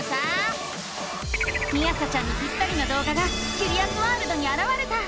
みあさちゃんにぴったりの動画がキュリアスワールドにあらわれた！